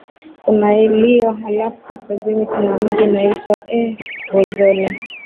kuna lio halafu kaskazini kuna mji unaitwa ee bozole